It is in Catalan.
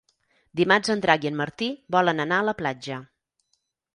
Dimarts en Drac i en Martí volen anar a la platja.